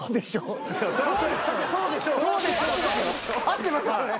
合ってますよね？